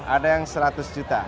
ada yang seratus juta